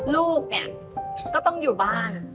ลูกนะก็อยู่บ้าน